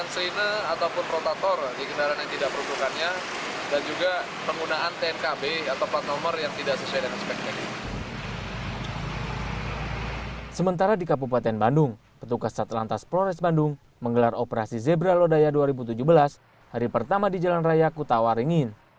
sementara di kabupaten bandung petugas satlantas polres bandung menggelar operasi zebra lodaya dua ribu tujuh belas hari pertama di jalan raya kutawaringin